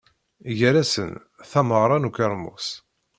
Gar-asen, tameɣra n ukermus.